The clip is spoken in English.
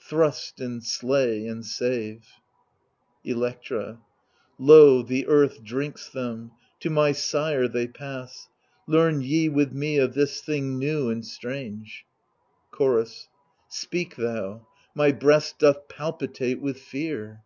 Thrust and slay and save ? Electra Lo ! the earth drinks them, to ray sire they pass — Learn ye with me of this thing new and strange. THE LIBATION BEARERS 89 Chorus Speak thou ; my breast doth palpitate with fear.